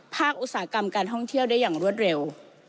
อุตสาหกรรมการท่องเที่ยวได้อย่างรวดเร็ว